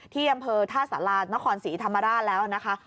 ที่อำเภอท่าสารานครศรีธรรมราชแล้วนะคะ